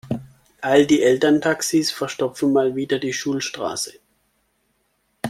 All die Elterntaxis verstopfen mal wieder die Schulstraße.